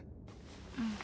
うん。